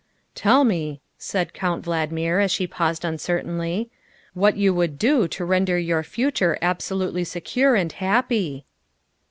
''" Tell me," said Count Valdmir as she paused uncer tainly, '' what you would do to render your future abso lutely secure and happy?"